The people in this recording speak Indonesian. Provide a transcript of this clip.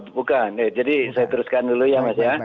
bukan jadi saya teruskan dulu ya mas ya